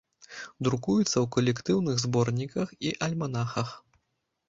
Друкуецца ў калектыўных зборніках і альманахах.